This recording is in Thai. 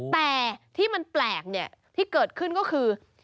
แต่ที่มันแปลกที่เกิดขึ้นก็คือ